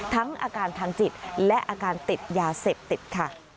อาการทางจิตและอาการติดยาเสพติดค่ะ